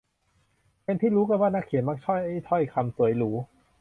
เป็นที่รู้กันว่านักเขียนมักใช้ถ้อยคำสวยหรู